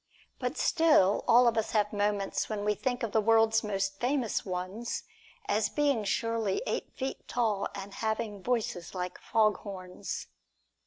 But still, all of us have moments when we think of the world's most famous ones as being surely eight feet tall, and having voices like fog horns.